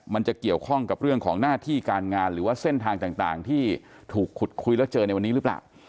มันจะเกี่ยวข้องกับเรื่องของหน้าที่การงานหรือว่าเส้นทางต่างที่ถูกขุดคุยแล้วเจอในวันนี้หรือเปล่า